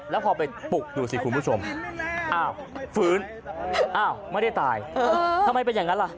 แล้วพอไปปลุกดูสิคุณผู้ชมอ้าวฟื้นอ้าวไม่ได้ตายทำไมเป็นอย่างนั้นล่ะ